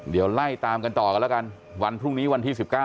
เดี๋ยวไล่ตามกันต่อกันแล้วกันวันพรุ่งนี้วันที่๑๙